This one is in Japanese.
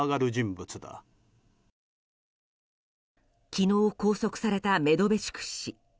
昨日拘束されたメドベチュク氏。